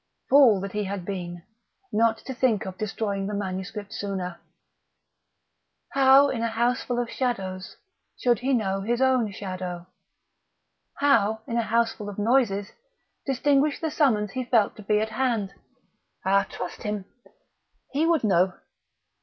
Fool that he had been, not to think of destroying the manuscript sooner!... How, in a houseful of shadows, should he know his own Shadow? How, in a houseful of noises, distinguish the summons he felt to be at hand? Ah, trust him! He would know!